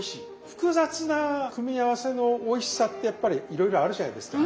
複雑な組み合わせのおいしさってやっぱりいろいろあるじゃないですか。